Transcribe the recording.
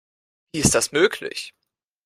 Wie ist das möglich?